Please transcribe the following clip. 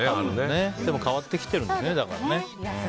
でも、変わってきてるんだね。